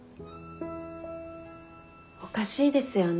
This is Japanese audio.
おかしいですよね